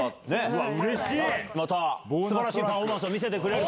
また素晴らしいパフォーマンスを見せてくれる。